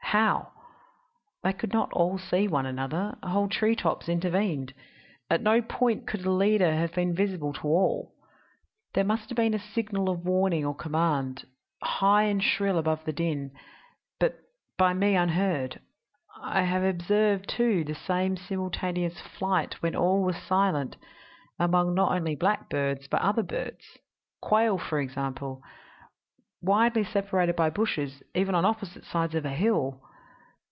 How? They could not all see one another whole treetops intervened. At no point could a leader have been visible to all. There must have been a signal of warning or command, high and shrill above the din, but by me unheard. I have observed, too, the same simultaneous flight when all were silent, among not only blackbirds, but other birds quail, for example, widely separated by bushes even on opposite sides of a hill.